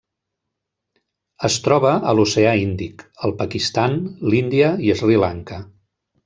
Es troba a l'Oceà Índic: el Pakistan, l'Índia i Sri Lanka.